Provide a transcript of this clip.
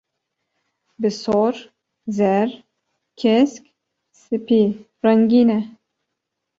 bi sor, zer, kesk, sipî rengîn e.